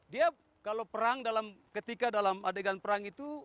dia kalau perang ketika dalam adegan perang itu